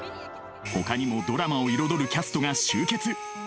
ほかにもドラマを彩るキャストが集結